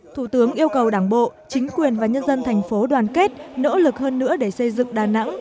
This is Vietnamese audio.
thủ tướng yêu cầu đảng bộ chính quyền và nhân dân thành phố đoàn kết nỗ lực hơn nữa để xây dựng đà nẵng